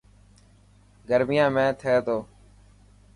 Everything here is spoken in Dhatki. گرميان ۾........ٿي تو.